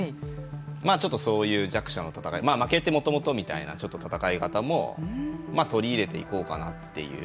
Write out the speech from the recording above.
ちょっとそういう弱者の戦い負けてもともとみたいなちょっと戦い方も取り入れていこうかなという。